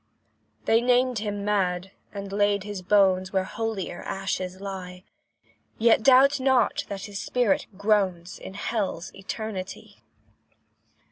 They named him mad, and laid his bones Where holier ashes lie; Yet doubt not that his spirit groans In hell's eternity.